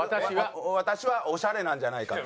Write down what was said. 「私はオシャレなんじゃないか」と。